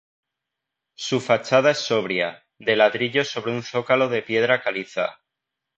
Su fachada es sobria, de ladrillo sobre un zócalo de piedra caliza.